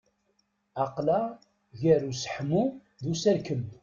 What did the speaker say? Aql-aɣ gar useḥmu d userkem.